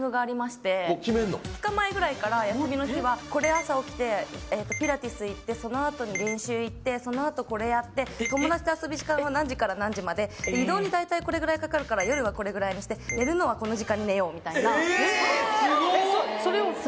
２日前ぐらいから休みの日はこれ朝起きてピラティス行ってそのあとに練習行ってそのあとこれやって友達と遊ぶ時間は何時から何時まで移動に大体これぐらいかかるから夜はこれぐらいにして寝るのはこの時間に寝ようみたいなえすごっ